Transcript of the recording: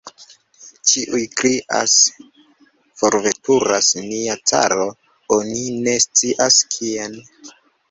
Ĉiuj krias: "forveturas nia caro, oni ne scias kien!"